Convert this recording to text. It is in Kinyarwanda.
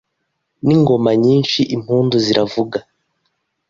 N’ingoma nyinshi impundu ziravuga